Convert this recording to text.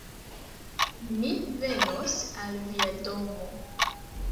Mi venos al via domo